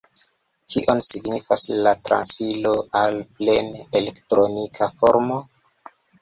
Kion signifas la transiro al plene elektronika formo?